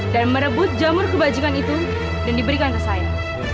dan merebut jamur kebajikan itu dan diberikan ke saya